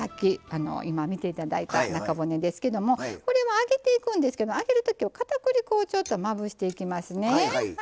今見ていただいた中骨ですけどもこれは揚げていくんですけど揚げるときはかたくり粉をちょっとまぶしていきますね。